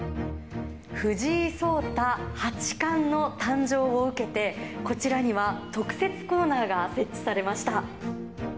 藤井聡太八冠の誕生を受けてこちらには特設コーナーが設置されました。